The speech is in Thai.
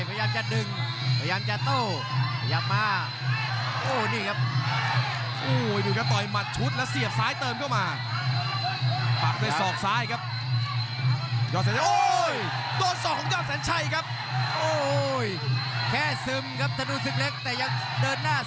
พยายามจะดึงพยายามจะโตพยายามมา